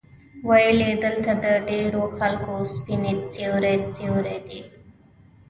ویل یې دلته د ډېرو خلکو سینې سوري سوري دي.